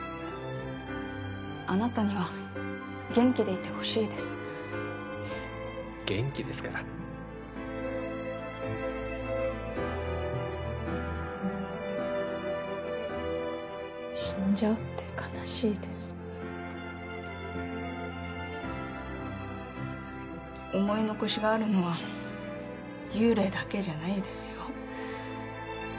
あなたには元気でいてほしいです元気ですから死んじゃうって悲しいです思い残しがあるのは幽霊だけじゃないですよ